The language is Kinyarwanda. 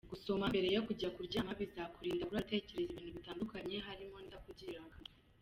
Gusoma mbere yo kujya kuryama bizakurinda kurara utekereza ibintu bitandukanye harimo n’ibitakugirira akamaro.